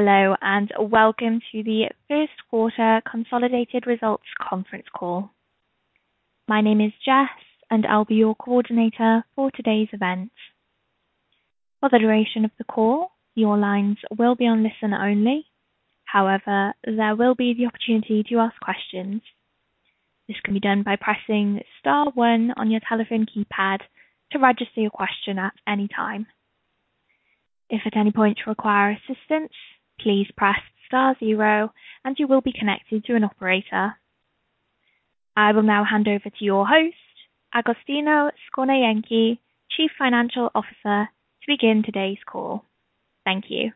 Hello, and welcome to the Q1 consolidated results conference call. My name is Jess, and I'll be your coordinator for today's event. For the duration of the call, your lines will be on listen only. However, there will be the opportunity to ask questions. This can be done by pressing star one on your telephone keypad to register your question at any time. If at any point you require assistance, please press star zero, and you will be connected to an operator. I will now hand over to your host, Agostino Scornajenchi, Chief Financial Officer, to begin today's call. Thank you.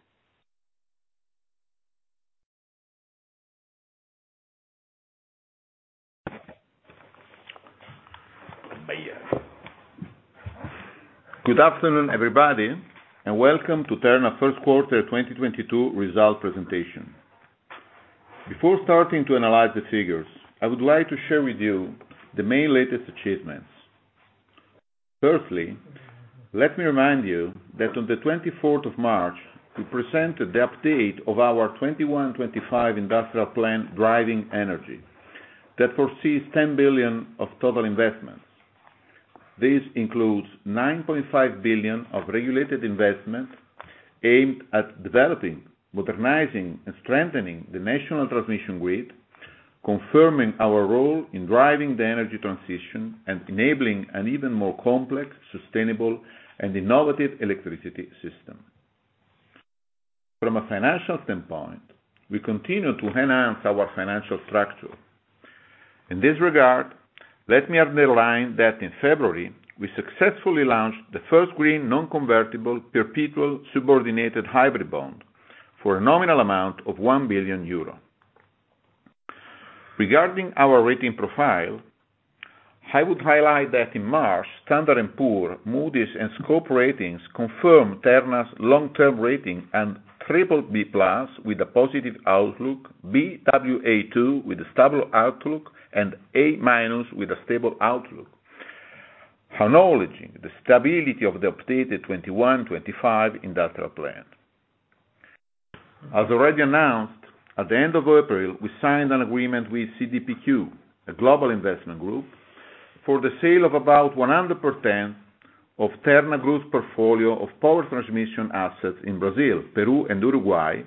Good afternoon, everybody, and welcome to Terna Q1 2022 results presentation. Before starting to analyze the figures, I would like to share with you the main latest achievements. First, let me remind you that on the 24th of March, we presented the update of our 2021-2025 Industrial Plan Driving Energy, that foresees 10 billion of total investments. This includes 9.5 billion of regulated investments aimed at developing, modernizing, and strengthening the national transmission grid, confirming our role in driving the energy transition and enabling an even more complex, sustainable, and innovative electricity system. From a financial standpoint, we continue to enhance our financial structure. In this regard, let me underline that in February, we successfully launched the first green non-convertible perpetual subordinated hybrid bond for a nominal amount of 1 billion euro. Regarding our rating profile, I would highlight that in March, Standard & Poor's, Moody's, and Scope Ratings confirmed Terna's long-term rating and BBB+ with a positive outlook, Baa2 with a stable outlook, and A- with a stable outlook, acknowledging the stability of the updated 2021-2025 industrial plan. As already announced, at the end of April, we signed an agreement with CDPQ, a global investment group, for the sale of about 100% of Terna Group's portfolio of power transmission assets in Brazil, Peru, and Uruguay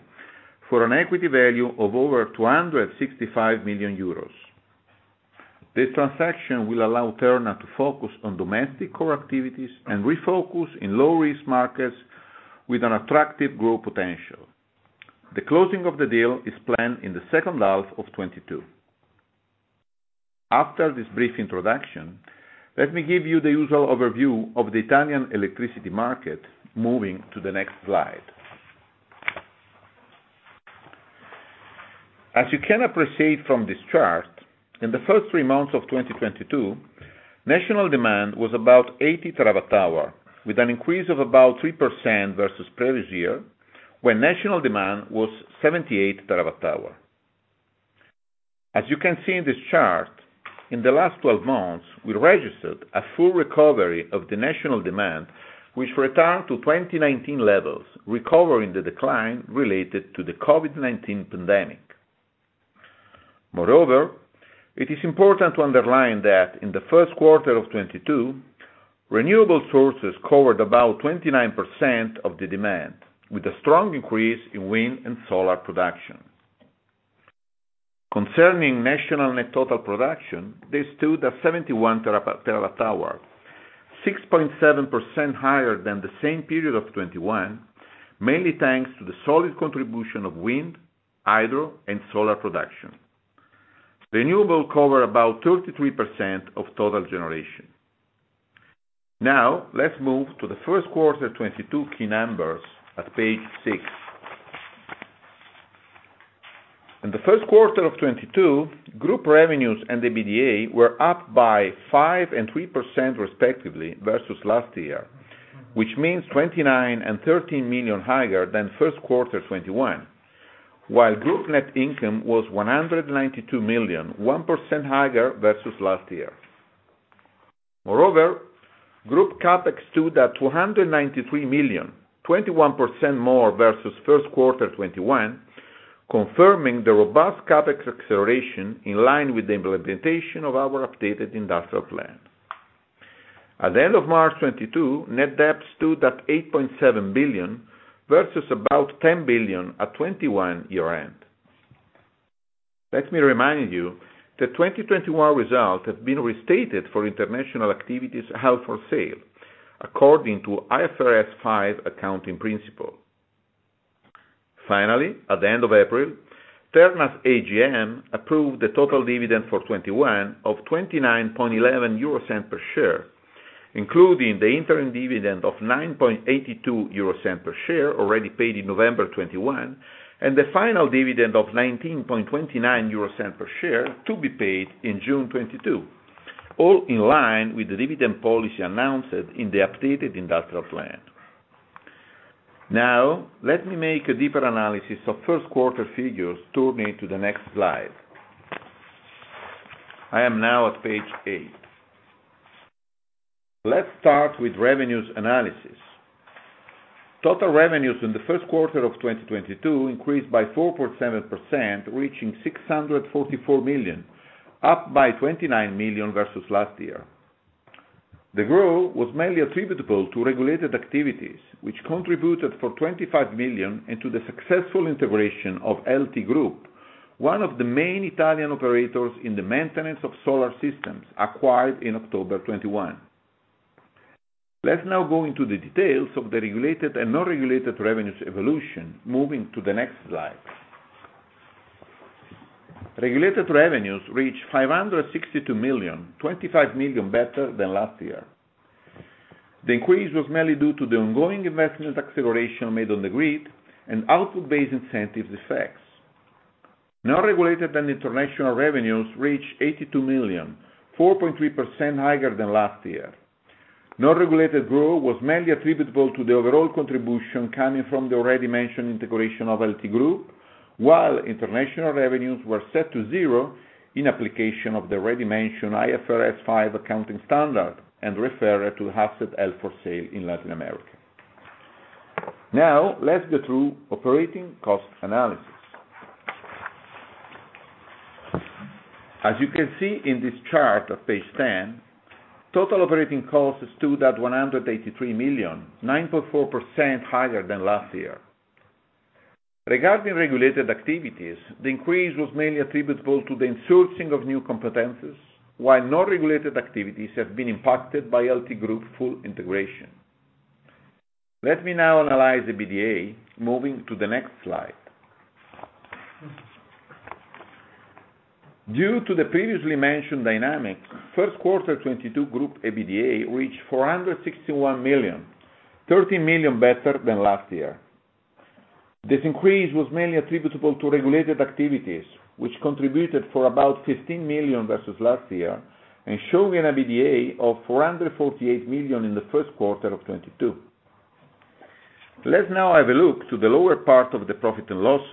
for an equity value of over 265 million euros. This transaction will allow Terna to focus on domestic core activities and refocus in low-risk markets with an attractive growth potential. The closing of the deal is planned in the H2 of 2022. After this brief introduction, let me give you the usual overview of the Italian electricity market, moving to the next slide. As you can appreciate from this chart, in the first three months of 2022, national demand was about 80 TWh, with an increase of about 3% versus previous year, when national demand was 78 TWh. As you can see in this chart, in the last 12 months, we registered a full recovery of the national demand, which returned to 2019 levels, recovering the decline related to the COVID-19 pandemic. Moreover, it is important to underline that in the Q1 of 2022, renewable sources covered about 29% of the demand, with a strong increase in wind and solar production. Concerning national net total production, they stood at 71 terawatt-hours, 6.7 higher than the same period of 2021, mainly thanks to the solid contribution of wind, hydro, and solar production. Renewables cover about 33% of total generation. Now, let's move to the Q1 2022 key numbers at page six. In the Q1 of 2022, group revenues and the EBITDA were up by 5% and 3% respectively versus last year, which means 29 million and 13 million higher than Q1 2021, while group net income was 192 million, 1% higher versus last year. Moreover, group CapEx stood at 293 million, 21% more versus Q1 2021, confirming the robust CapEx acceleration in line with the implementation of our updated industrial plan. At the end of March 2022, net debt stood at 8.7 billion versus about 10 billion at 2021 year-end. Let me remind you that 2021 results have been restated for international activities held for sale according to IFRS 5 accounting principle. Finally, at the end of April, Terna's AGM approved the total dividend for 2021 of 0.2911 per share, including the interim dividend of 0.0982 per share already paid in November 2021, and the final dividend of 0.1929 per share to be paid in June 2022, all in line with the dividend policy announced in the updated industrial plan. Now, let me make a deeper analysis of Q1 figures, turning to the next slide. I am now at page 8. Let's start with revenues analysis. Total revenues in the Q1 of 2022 increased by 4.7%, reaching 644 million, up by 29 million versus last year. The growth was mainly attributable to regulated activities, which contributed 25 million, and to the successful integration of LT Renewables, one of the main Italian operators in the maintenance of solar systems, acquired in October 2021. Let's now go into the details of the regulated and non-regulated revenues evolution, moving to the next slide. Regulated revenues reached 562 million, 25 million better than last year. The increase was mainly due to the ongoing investment acceleration made on the grid and output-based incentive effects. Non-regulated and international revenues reached 82 million, 4.3% higher than last year. Non-regulated growth was mainly attributable to the overall contribution coming from the already mentioned integration of LT Group, while international revenues were set to zero in application of the already mentioned IFRS 5 accounting standard and refer to asset held for sale in Latin America. Now, let's go through operating cost analysis. As you can see in this chart of page 10, total operating costs stood at 183 million, 9.4% higher than last year. Regarding regulated activities, the increase was mainly attributable to the insourcing of new competencies, while non-regulated activities have been impacted by LT Group full integration. Let me now analyze EBITDA, moving to the next slide. Due to the previously mentioned dynamics, Q1 2022 group EBITDA reached 461 million, 30 million better than last year. This increase was mainly attributable to regulated activities, which contributed for about 15 million versus last year and showing an EBITDA of 448 million in the Q1 of 2022. Let's now have a look at the lower part of the profit and loss,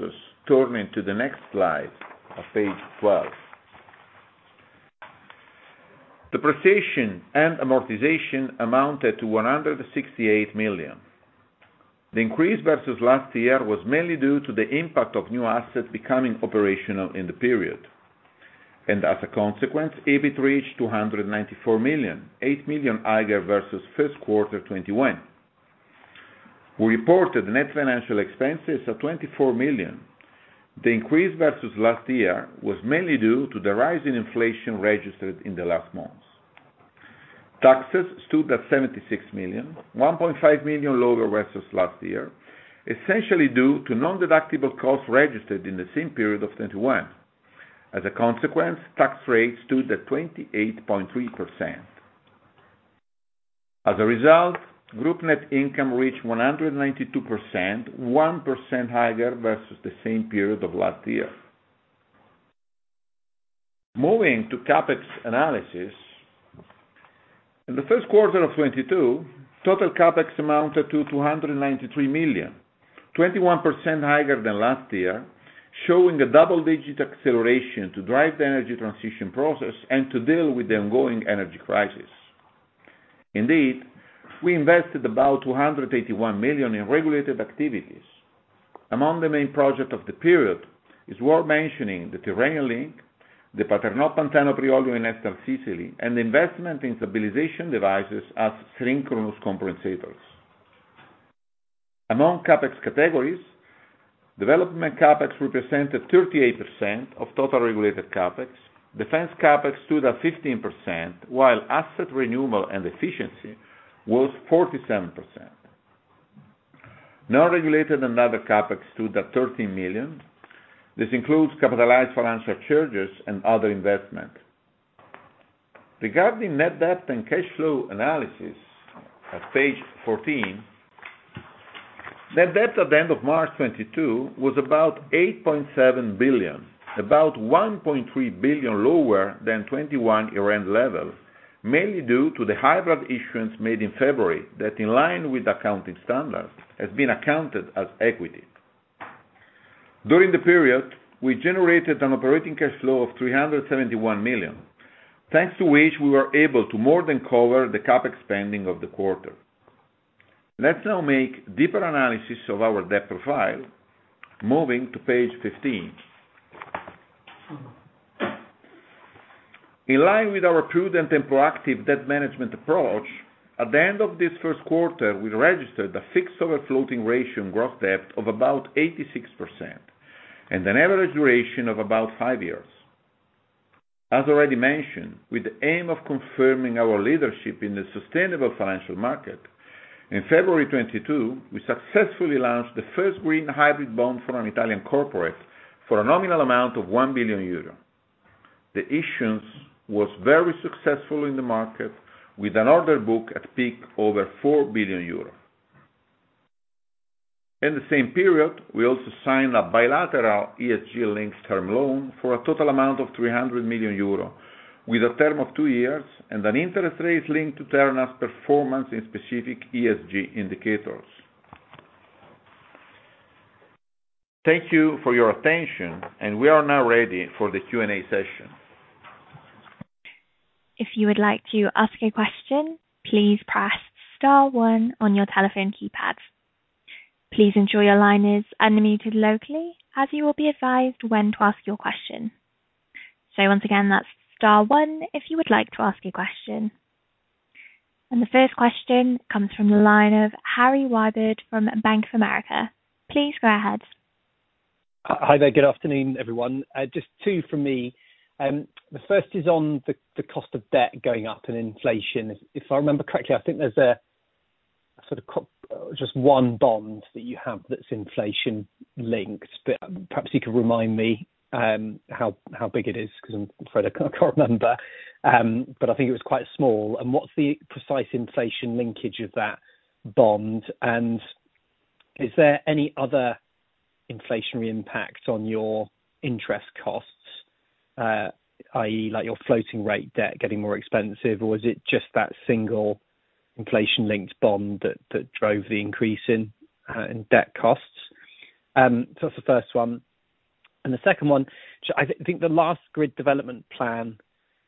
turning to the next slide on page 12. Depreciation and amortization amounted to 168 million. The increase versus last year was mainly due to the impact of new assets becoming operational in the period. As a consequence, EBIT reached 294 million, 8 million higher versus Q1 2021. We reported net financial expenses of 24 million. The increase versus last year was mainly due to the rise in inflation registered in the last months. Taxes stood at 76 million, 1.5 million lower versus last year, essentially due to non-deductible costs registered in the same period of 2021. As a consequence, tax rates stood at 28.3%. As a result, group net income reached one hundred and ninety-two million, 1% higher versus the same period of last year. Moving to CapEx analysis. In the Q1 of 2022, total CapEx amounted to 293 million, 21% higher than last year, showing a double-digit acceleration to drive the energy transition process and to deal with the ongoing energy crisis. Indeed, we invested about 281 million in regulated activities. Among the main project of the period is worth mentioning the Tyrrhenian Link, the Paternò-Pantano Priolo in eastern Sicily, and the investment in stabilization devices as synchronous compensators. Among CapEx categories, development CapEx represented 38% of total regulated CapEx. Defensive CapEx stood at 15%, while asset renewal and efficiency was 47%. Non-regulated and other CapEx stood at 13 million. This includes capitalized financial charges and other investment. Regarding net debt and cash flow analysis at page 14, net debt at the end of March 2022 was about 8.7 billion, about 1.3 billion lower than 2021 year-end level, mainly due to the hybrid issuance made in February, that in line with accounting standards, has been accounted as equity. During the period, we generated an operating cash flow of 371 million, thanks to which we were able to more than cover the CapEx spending of the quarter. Let's now make deeper analysis of our debt profile, moving to page 15. In line with our prudent and proactive debt management approach, at the end of this Q1, we registered a fixed over floating ratio in gross debt of about 86% and an average duration of about five years. As already mentioned, with the aim of confirming our leadership in the sustainable financial market, in February 2022, we successfully launched the first green hybrid bond from an Italian corporate for a nominal amount of 1 billion euro. The issuance was very successful in the market with an order book at peak over 4 billion euros. In the same period, we also signed a bilateral ESG linked term loan for a total amount of 300 million euro with a term of two years and an interest rate linked to Terna's performance in specific ESG indicators. Thank you for your attention, and we are now ready for the Q&A session. If you would like to ask a question, please press star one on your telephone keypad. Please ensure your line is unmuted locally, as you will be advised when to ask your question. So once again, that's star one if you would like to ask a question. The first question comes from the line of Harry Wyburd from Bank of America. Please go ahead. Hi there. Good afternoon, everyone. Just two from me. The first is on the cost of debt going up and inflation. If I remember correctly, I think there's just one bond that you have that's inflation linked. Perhaps you could remind me how big it is, 'cause I'm afraid I can't remember. I think it was quite small. What's the precise inflation linkage of that bond? Is there any other inflationary impact on your interest costs, i.e., like your floating rate debt getting more expensive, or was it just that single inflation linked bond that drove the increase in debt costs? That's the first one. The second one, so I think the last grid development plan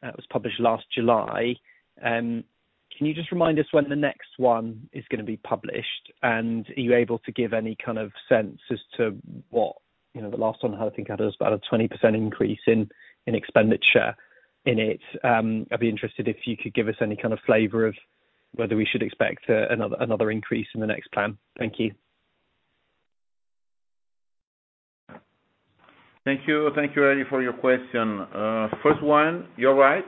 that was published last July, can you just remind us when the next one is gonna be published? Are you able to give any kind of sense as to what you know, the last one I think had about a 20% increase in expenditure in it. I'd be interested if you could give us any kind of flavor of whether we should expect another increase in the next plan. Thank you. Thank you. Thank you, Harry, for your question. First one, you're right.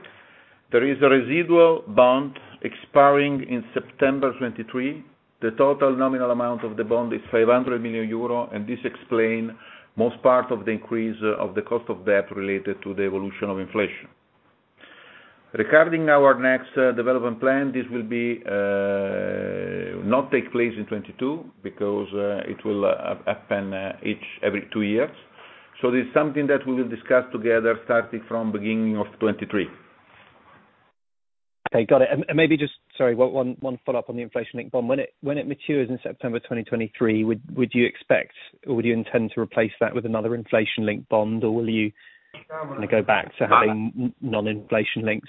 There is a residual bond expiring in September 2023. The total nominal amount of the bond is 500 million euro, and this explain most part of the increase of the cost of debt related to the evolution of inflation. Regarding our next development plan, this will not take place in 2022 because it will happen every two years. This is something that we will discuss together starting from beginning of 2023. Okay. Got it. Sorry, one follow-up on the inflation-linked bond. When it matures in September 2023, would you expect or would you intend to replace that with another inflation-linked bond? Or will you go back to having non-inflation-linked?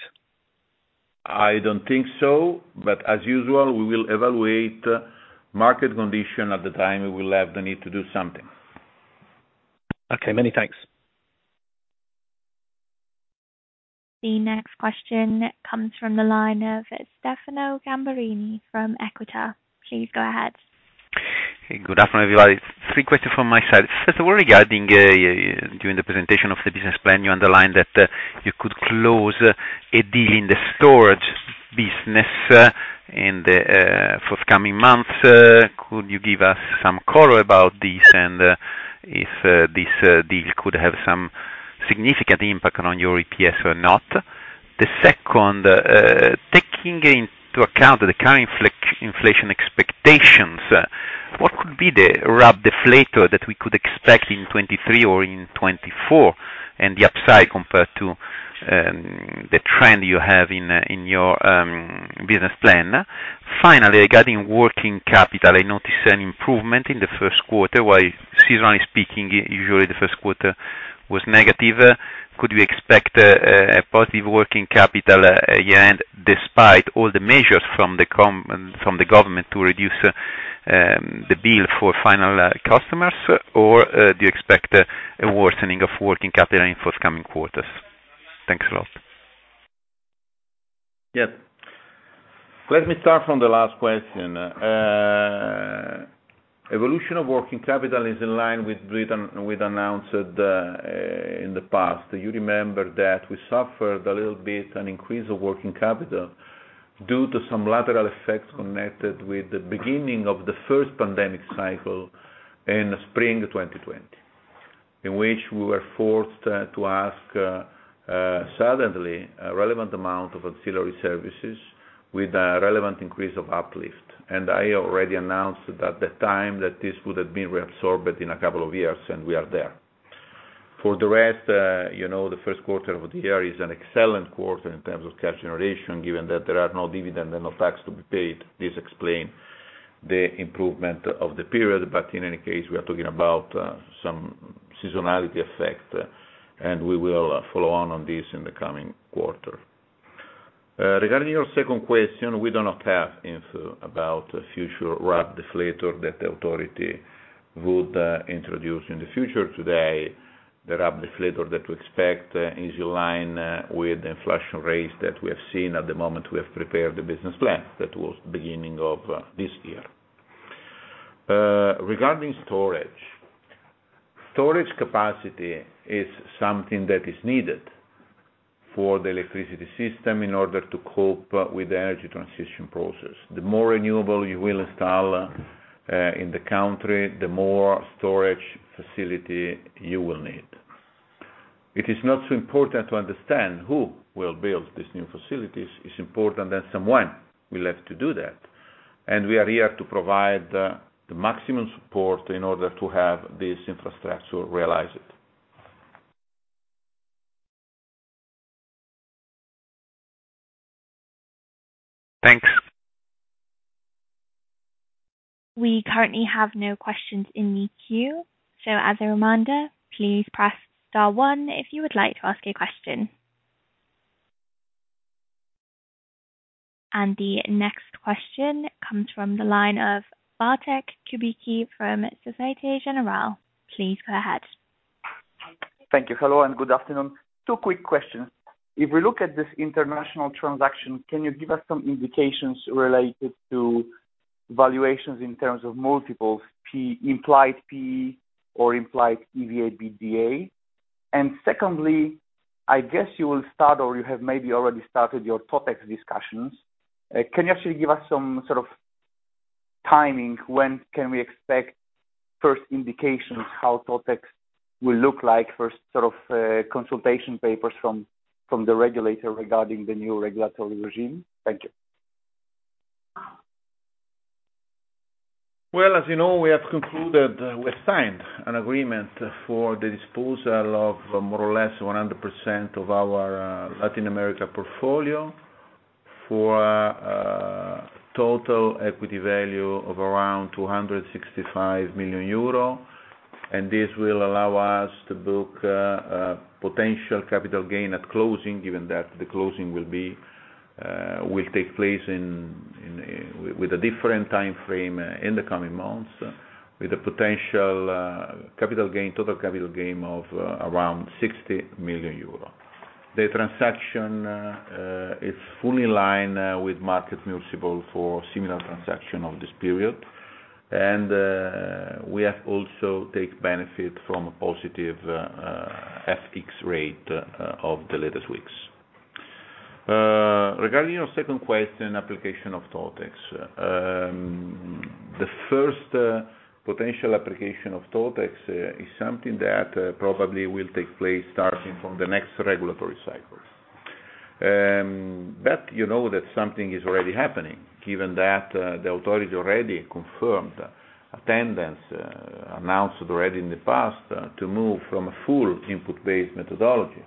I don't think so. As usual, we will evaluate market conditions at the time we will have the need to do something. Okay. Many thanks. The next question comes from the line of Stefano Gamberini from Equita. Please go ahead. Good afternoon, everybody. Three questions from my side. First of all, regarding during the presentation of the business plan, you underlined that you could close a deal in the storage business in the forthcoming months. Could you give us some color about this and if this deal could have some significant impact on your EPS or not? The second, taking into account the current inflation expectations, what could be the RAB deflator that we could expect in 2023 or in 2024, and the upside compared to the trend you have in your business plan? Finally, regarding working capital, I noticed an improvement in the Q1, while seasonally speaking, usually the Q1 was negative. Could we expect a positive working capital year-end, despite all the measures from the government to reduce the bill for final customers? Or do you expect a worsening of working capital in forthcoming quarters? Thanks a lot. Yes. Let me start from the last question. Evolution of working capital is in line with we'd announced in the past. You remember that we suffered a little bit an increase of working capital due to some collateral effects connected with the beginning of the first pandemic cycle in spring 2020, in which we were forced to ask suddenly a relevant amount of ancillary services with a relevant increase of uplift. I already announced at the time that this would have been reabsorbed in a couple of years, and we are there. For the rest, you know, the Q1 of the year is an excellent quarter in terms of cash generation, given that there are no dividend and no tax to be paid. This explains the improvement of the period, but in any case, we are talking about some seasonality effect, and we will follow on this in the coming quarter. Regarding your second question, we do not have info about the future RAB deflator that the authority would introduce in the future today. The RAB deflator that we expect is in line with inflation rates that we have seen at the moment we have prepared the business plan. That was beginning of this year. Regarding storage capacity is something that is needed for the electricity system in order to cope with the energy transition process. The more renewable you will install in the country, the more storage facility you will need. It is not so important to understand who will build these new facilities. It's important that someone will have to do that. We are here to provide the maximum support in order to have this infrastructure realize it. We currently have no questions in the queue. As a reminder, please press star one if you would like to ask a question. The next question comes from the line of Bartek Kubicki from Societe Generale. Please go ahead. Thank you. Hello, and good afternoon. Two quick questions. If we look at this international transaction, can you give us some indications related to valuations in terms of multiples, P/E implied P/E or implied EV/EBITDA? Secondly, I guess you will start or you have maybe already started your Totex discussions. Can you actually give us some sort of timing, when can we expect first indications how Totex will look like for sort of, consultation papers from the regulator regarding the new regulatory regime? Thank you. Well, as you know, we have signed an agreement for the disposal of more or less 100% of our Latin America portfolio for total equity value of around 265 million euro. This will allow us to book a potential capital gain at closing, given that the closing will take place with a different time frame in the coming months with a potential total capital gain of around 60 million euro. The transaction is fully in line with market multiple for similar transaction of this period. We have also take benefit from a positive FX rate of the latest weeks. Regarding your second question, application of Totex. The first potential application of Totex is something that probably will take place starting from the next regulatory cycle. You know that something is already happening given that the authority already confirmed its intent and announced already in the past to move from a full input-based methodology,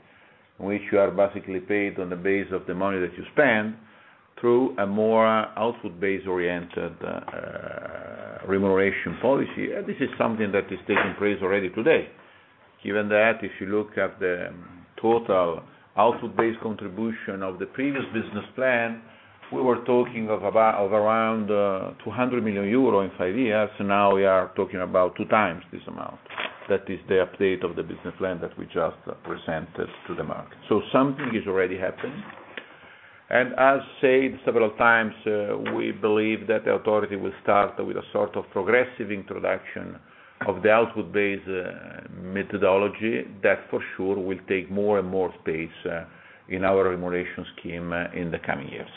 which you are basically paid on the basis of the money that you spend, through a more output-based oriented remuneration policy. This is something that is taking place already today. Given that if you look at the total output-based contribution of the previous business plan, we were talking of around 200 million euro in five years. Now we are talking about 2 times this amount. That is the update of the business plan that we just presented to the market. Something is already happening. As said several times, we believe that the authority will start with a sort of progressive introduction of the output-based methodology that for sure will take more and more space, in our remuneration scheme in the coming years.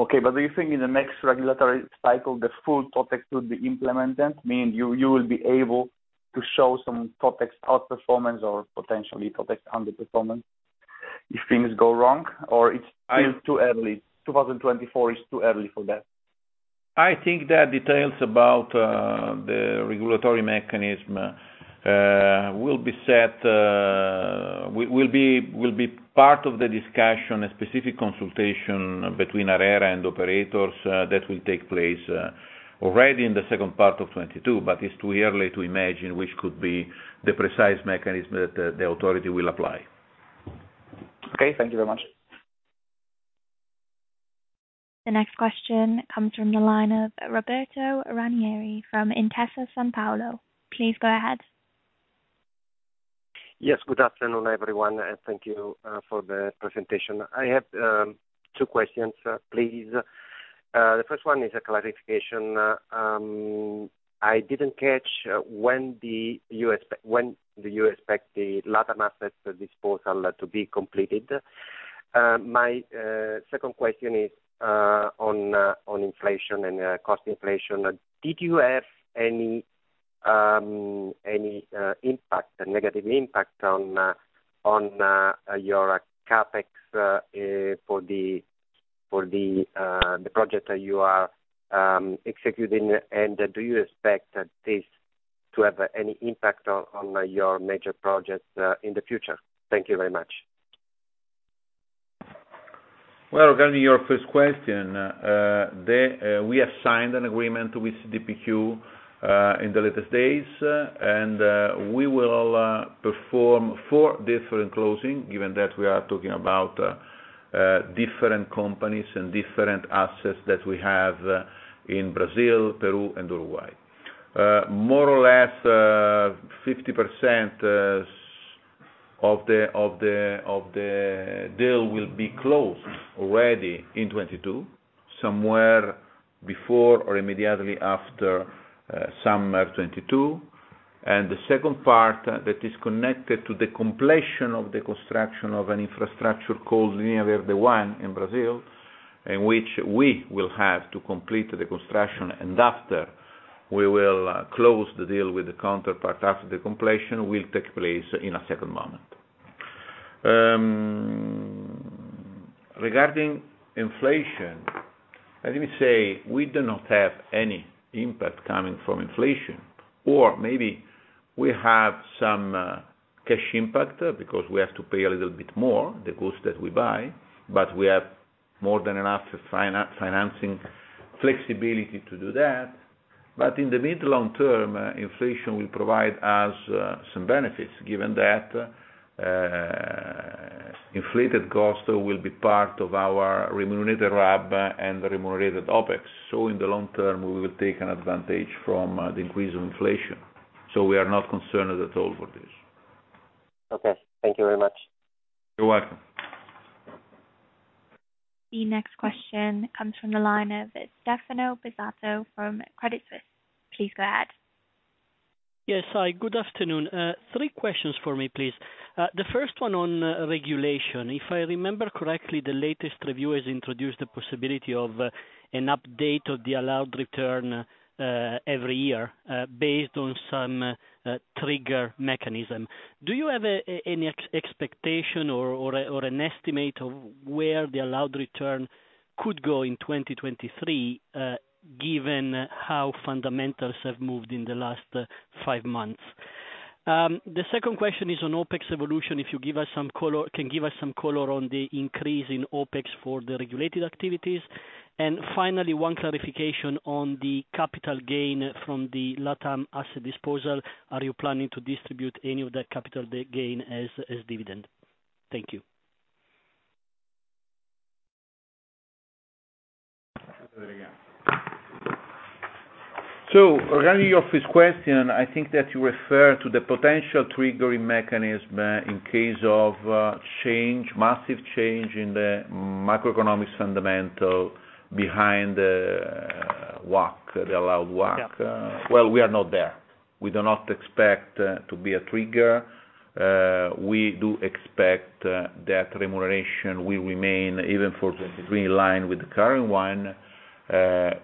Okay. Do you think in the next regulatory cycle, the full Totex will be implemented, meaning you will be able to show some Totex outperformance or potentially Totex underperformance if things go wrong, or it's still too early, 2024 is too early for that? I think the details about the regulatory mechanism will be part of the discussion, a specific consultation between ARERA and operators, that will take place already in the second part of 2022. It's too early to imagine which could be the precise mechanism that the authority will apply. Okay. Thank you very much. The next question comes from the line of Roberto Ranieri from Intesa Sanpaolo. Please go ahead. Yes. Good afternoon, everyone, and thank you for the presentation. I have two questions, please. The first one is a clarification. I didn't catch when you expect the Latin assets disposal to be completed? My second question is on inflation and cost inflation. Did you have any impact, a negative impact on your CapEx for the project that you are executing? Do you expect that this to have any impact on your major projects in the future? Thank you very much. Well, regarding your first question, we have signed an agreement with CDPQ in the latest days, and we will perform four different closing, given that we are talking about different companies and different assets that we have in Brazil, Peru, and Uruguay. More or less 50% of the deal will be closed already in 2022, somewhere before or immediately after summer 2022. The second part that is connected to the completion of the construction of an infrastructure called Linha Verde I in Brazil, and which we will have to complete the construction, and after, we will close the deal with the counterpart after the completion will take place in a second moment. Regarding inflation. As you say, we do not have any impact coming from inflation, or maybe we have some cash impact because we have to pay a little bit more, the cost that we buy, but we have more than enough financing flexibility to do that. In the mid long term, inflation will provide us some benefits given that inflated cost will be part of our remunerated RAB and remunerated OpEx. In the long term, we will take an advantage from the increase of inflation. We are not concerned at all for this. Okay. Thank you very much. You're welcome. The next question comes from the line of Stefano Sbisato from Credit Suisse. Please go ahead. Yes. Hi, good afternoon. Three questions for me, please. The first one on regulation. If I remember correctly, the latest review has introduced the possibility of an update of the allowed return every year based on some trigger mechanism. Do you have any expectation or an estimate of where the allowed return could go in 2023 given how fundamentals have moved in the last five months? The second question is on OpEx evolution. If you can give us some color on the increase in OpEx for the regulated activities. Finally, one clarification on the capital gain from the LatAm asset disposal. Are you planning to distribute any of that capital gain as dividend? Thank you. Regarding your first question, I think that you refer to the potential triggering mechanism in case of change, massive change in the macroeconomic fundamentals behind WACC, the allowed WACC. Yeah. Well, we are not there. We do not expect to be a trigger. We do expect that remuneration will remain even for the green line with the current one.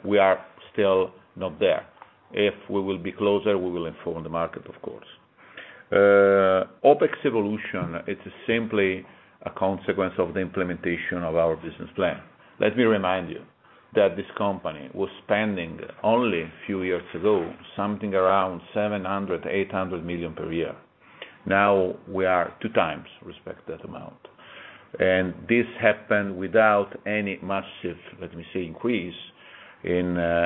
We are still not there. If we will be closer, we will inform the market, of course. OpEx evolution, it's simply a consequence of the implementation of our business plan. Let me remind you that this company was spending only a few years ago something around 700 million-800 million per year. Now we are two times that amount. This happened without any massive, let me say, increase in our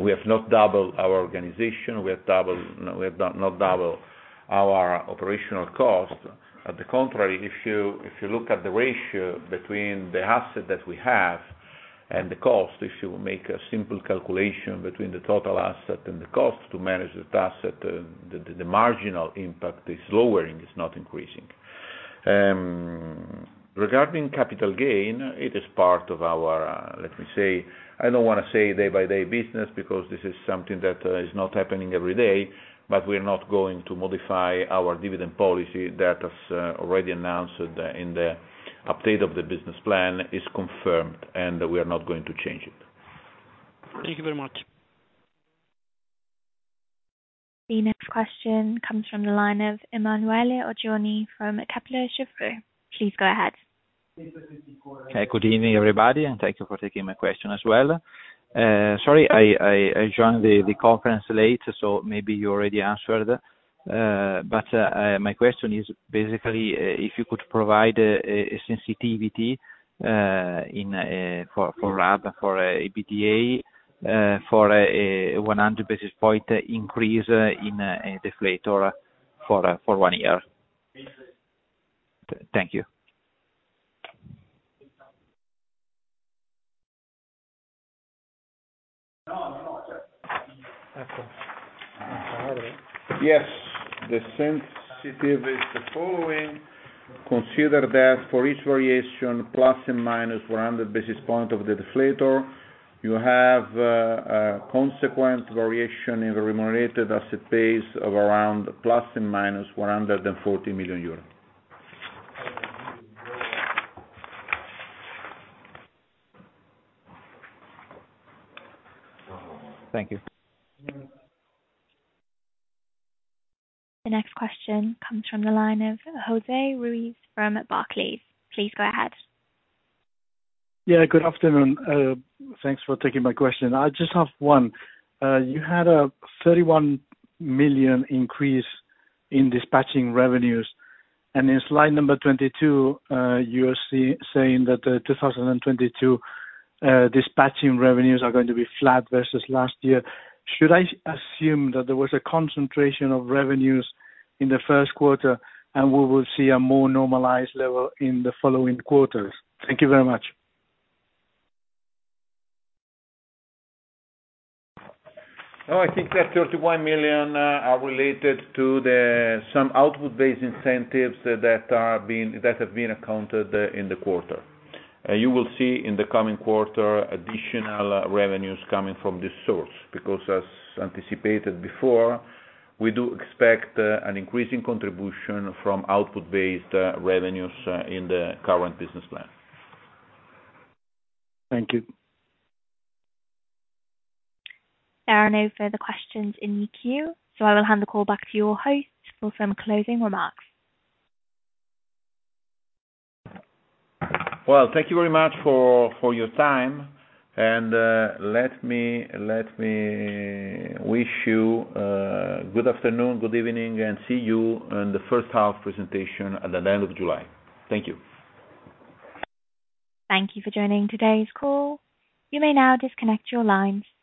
organization. We have not doubled our organization. We have doubled our operational cost. On the contrary, if you look at the ratio between the asset that we have and the cost, if you make a simple calculation between the total asset and the cost to manage that asset, the marginal impact is lowering, it's not increasing. Regarding capital gain, it is part of our, let me say, I don't wanna say day by day business because this is something that is not happening every day, but we're not going to modify our dividend policy that was already announced in the update of the business plan, is confirmed, and we are not going to change it. Thank you very much. The next question comes from the line of Emanuele Oggioni from Kepler Cheuvreux. Please go ahead. Hi. Good evening, everybody, and thank you for taking my question as well. Sorry, I joined the conference late, so maybe you already answered. My question is basically if you could provide a sensitivity for RAB, for EBITDA, for a 100 basis point increase in deflator for one year. Thank you. Yes. The sensitivity is the following: Consider that for each variation plus and minus 100 basis points of the deflator, you have a consequent variation in the remunerated asset base of around plus and minus 440 million euros. Thank you. The next question comes from the line of Jose Ruiz from Barclays. Please go ahead. Yeah, good afternoon. Thanks for taking my question. I just have one. You had a 31 million increase in dispatching revenues. In slide number 22, you are saying that 2022 dispatching revenues are going to be flat versus last year. Should I assume that there was a concentration of revenues in the Q1, and we will see a more normalized level in the following quarters? Thank you very much. No, I think that 31 million are related to some output-based incentives that have been accounted in the quarter. You will see in the coming quarter additional revenues coming from this source, because as anticipated before, we do expect an increasing contribution from output-based revenues in the current business plan. Thank you. There are no further questions in the queue, so I will hand the call back to your host for some closing remarks. Well, thank you very much for your time. Let me wish you good afternoon, good evening, and see you on the H1 presentation at the end of July. Thank you. Thank you for joining today's call. You may now disconnect your lines.